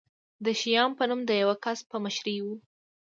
د شیام په نوم د یوه کس په مشرۍ و.